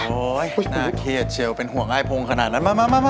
โอ้ยน่าเครียดเชียวเป็นห่วงไอ้โพงขนาดนั้น